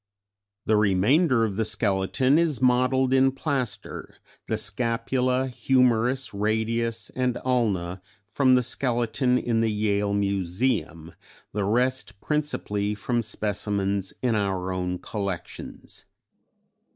] "The remainder of the skeleton is modelled in plaster, the scapula, humerus, radius and ulna from the skeleton in the Yale Museum, the rest principally from specimens in our own collections.